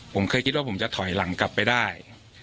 ผมเคยคิดว่าผมจะถอยหลังกลับไปได้